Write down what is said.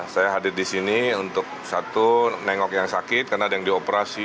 saya hadir di sini untuk satu nengok yang sakit karena ada yang dioperasi